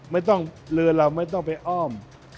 ไม่ต้องเลิดเราไม่ต้องไปอ้อม